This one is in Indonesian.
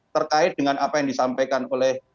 terkait dengan apa yang disampaikan oleh